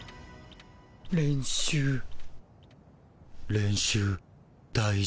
練習大事。